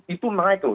itu naik loh